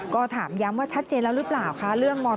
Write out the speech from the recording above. ก็ถามย้ำว่าชัดเจนแล้วหรือเปล่าคะเรื่องม๔